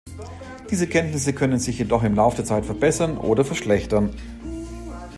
Diese Kenntnisse können sich jedoch im Lauf der Zeit verbessern oder verschlechtern.